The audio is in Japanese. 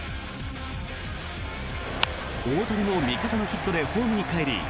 大谷も味方のヒットでホームにかえり